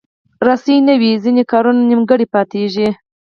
رسۍ نه وي، ځینې کارونه نیمګړي پاتېږي.